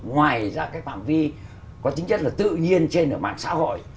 ngoài ra cái phạm vi có tính chất là tự nhiên trên ở mạng xã hội